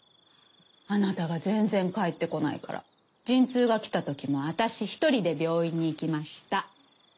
あなたが全然帰ってこないから陣痛が来たときも私１人で病院に行きました。